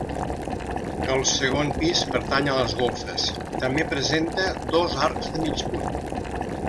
El segon pis pertany a les golfes, també presenta dos arcs de mig punt.